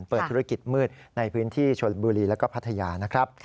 เปิดธุรกิจมืดในพื้นที่ชนบุรีแล้วก็พัทยานะครับ